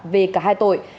về cả hai tội